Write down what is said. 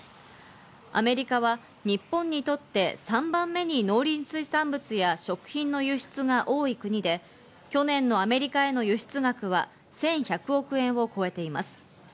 アメリカは日本にとって３番目に農林水産物や食品の輸出が多い国で、去年のアメリカへの輸出額は１１００億円を超えています。